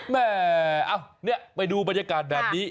แหมไปดูบรรยากาศแบบนี้